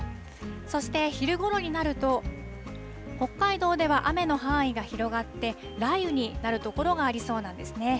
そして昼ごろになると、北海道では雨の範囲が広がって、雷雨になる所がありそうなんですね。